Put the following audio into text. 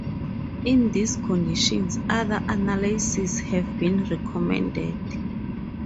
In these conditions, other analyses have been recommended.